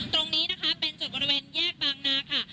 ตรงนี้นะคะเป็นจุดบริเวณแยกบางนาค่ะ